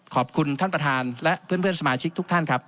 ขอบคุณท่านประธานและเพื่อนสมาชิกทุกท่านครับ